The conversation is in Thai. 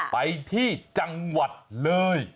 ไปที่จังหวัดเลย